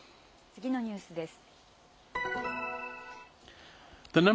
次のニュースです。